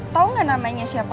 tau gak namanya siapa